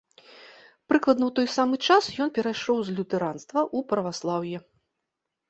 Прыкладна ў той самы час ён перайшоў з лютэранства ў праваслаўе.